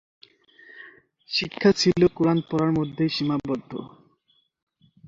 শিক্ষা ছিল কুরআন পড়ার মধ্যেই সীমাবদ্ধ।